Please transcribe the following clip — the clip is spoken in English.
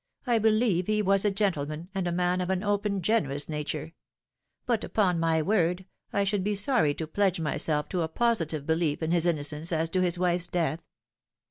I believe he was a gentleman, and a man of an open, generous nature ; but, upon my word, I should be sorry to pledge myself to a positive belief in his inno cence as to his wife's death.